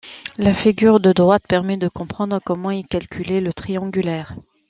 La figure de droite permet de comprendre comment ils calculaient le triangulaire.